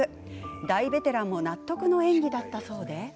大ベテランも納得の演技だったそうで。